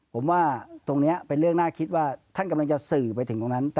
ผมว่าตรงนี้เป็นเรื่องน่าคิดว่าท่านกำลังจะสื่อไปถึงตรงนั้น